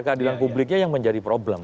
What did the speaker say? keadilan publiknya yang menjadi problem